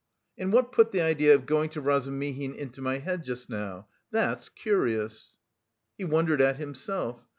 And what put the idea of going to Razumihin into my head just now? That's curious." He wondered at himself.